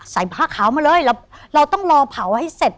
ผ้าขาวมาเลยเราต้องรอเผาให้เสร็จ